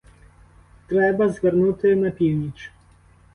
Треба звернути на північ.